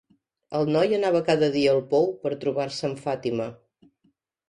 El noi anava cada dia al pou per trobar-se amb Fatima.